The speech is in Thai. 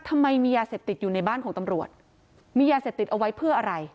ทำไมมียาเสพติดอยู่ในบ้านของตำรวจมียาเสพติดเอาไว้เพื่ออะไร